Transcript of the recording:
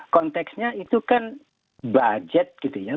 konteksnya itu kan budget gitu ya